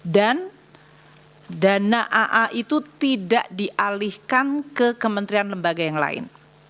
dan dana aa itu tidak dialihkan ke kementerian lembaga yang lain